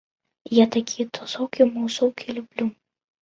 Я такія тусоўкі-масоўкі люблю.